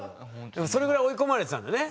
でもそれぐらい追い込まれてたんだよね